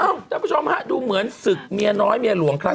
อ้าวเจ้าผู้ชมครับดูเหมือนศึกเมียน้อยเหมาะของเจ้าครับ